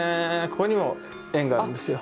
ここにも円があるんですよ。